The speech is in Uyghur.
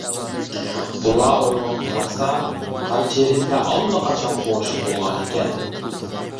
بۇلار ئويغىنىپ قارىسا، قارا چېرىكلەر ئاللىقاچان قورشاپ بولغان ئىكەن.